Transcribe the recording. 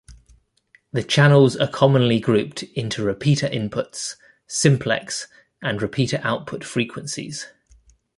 The channels are commonly grouped into repeater inputs, simplex, and repeater output frequencies.